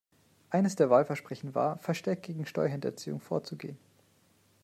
Eines der Wahlversprechen war, verstärkt gegen Steuerhinterziehung vorzugehen.